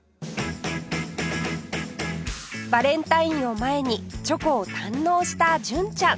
バレンタインを前にチョコを堪能した純ちゃん